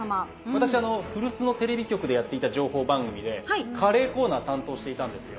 私あの古巣のテレビ局でやっていた情報番組でカレーコーナー担当していたんですよ。